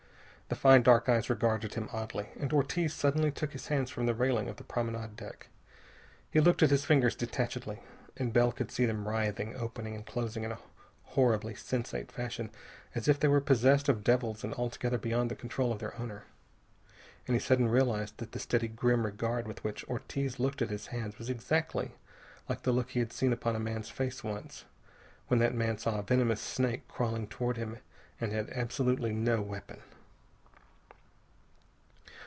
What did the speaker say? The fine dark eyes regarded him oddly. And Ortiz suddenly took his hands from the railing of the promenade deck. He looked at his fingers detachedly. And Bell could see them writhing, opening and closing in a horribly sensate fashion, as if they were possessed of devils and altogether beyond the control of their owner. And he suddenly realized that the steady, grim regard with which Ortiz looked at his hands was exactly like the look he had seen upon a man's face once, when that man saw a venomous snake crawling toward him and had absolutely no weapon.